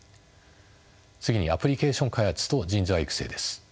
次にアプリケーション開発と人材育成です。